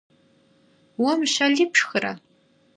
- Уэ мыщэли пшхырэ?